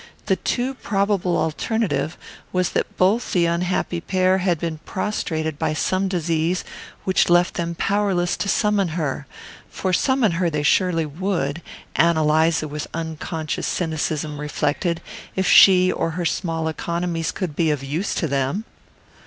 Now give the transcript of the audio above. The too probable alternative was that both the unhappy pair had been prostrated by some disease which left them powerless to summon her for summon her they surely would, Ann Eliza with unconscious cynicism reflected, if she or her small economies could be of use to them!